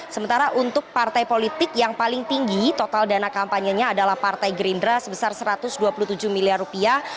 sementara untuk partai politik yang paling tinggi total dana kampanye nya adalah partai gerindra sebesar satu ratus dua puluh tujuh miliar rupiah